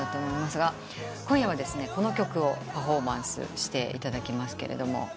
今夜はこの曲をパフォーマンスしていただきます。